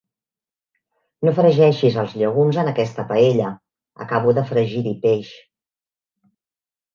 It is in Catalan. No fregeixis els llegums en aquesta paella: acabo de fregir-hi peix.